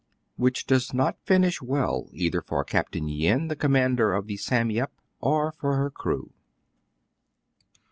WHICH DOES NOT FINISH ^WELL, EITHER FOR CAPT. YIN, THE COMMANDER OF THE " SAM YEP," OR FOR HER CREW.